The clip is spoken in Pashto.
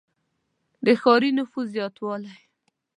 • د ښاري نفوس زیاتوالی.